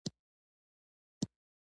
د اختر پر لومړۍ ورځ یو لوی غم پېښ شوی.